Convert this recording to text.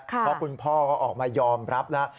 เพราะคุณพ่อก็ออกมายอมรับแล้ว